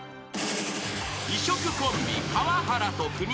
［異色コンビ川原と国崎］